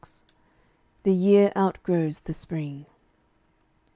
THE YEAR OUTGROWS THE SPRING.